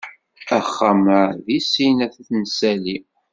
Axxam-a deg sin ad t-nsali.